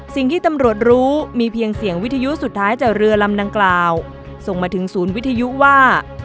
สิ่งที่ตำรวจรู้มีเพียงเสียงวิทยุสุดท้ายจากเรือลำดังกล่าวส่งมาถึงศูนย์วิทยุว่า